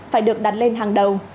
phải được đặt lên hàng đầu